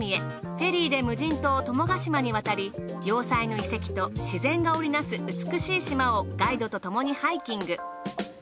フェリーで無人島友ヶ島に渡り要塞の遺跡と自然が織りなす美しい島をガイドとともにハイキング。